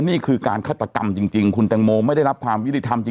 นี่คือการฆาตกรรมจริงคุณแตงโมไม่ได้รับความยุติธรรมจริง